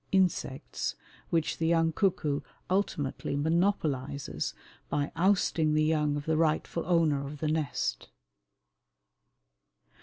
insects, which the young cuckoo ultimately monopolizes by ousting the young of the rightful owner of the nest.